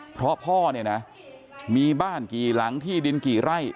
เพราะพ่อเนี่ยนะมีบ้านกี่หลังที่ดินกี่ไร่